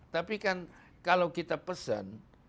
tapi kan kalau kita pesan